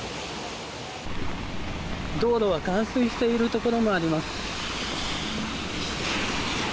道路が冠水しているところもあります。